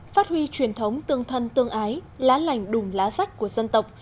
phát huy truyền thống tương thân tương ái lá lành đùm lá sách của dân tộc